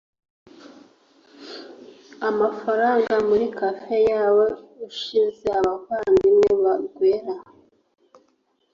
amafranga muri café yabo ushize abavandimwe ba Guerra